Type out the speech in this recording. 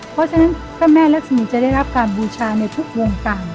เพราะฉะนั้นพระแม่รักษมีจะได้รับการบูชาในทุกวงการ